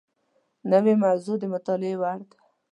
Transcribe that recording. نوې موضوع د مطالعې وړ ده